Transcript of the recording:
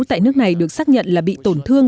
tại nước này được xác nhận là bị tổn thương